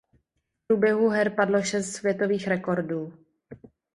V průběhu her padlo šest světových rekordů.